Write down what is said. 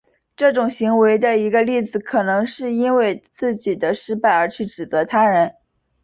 这种行为的一个例子可能是因为自己失败而去指责他人。